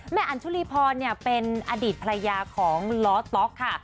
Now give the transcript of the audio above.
อันชุลีพรเป็นอดีตภรรยาของล้อต๊อกค่ะ